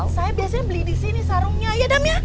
saya biasanya beli di sini sarungnya aja dam ya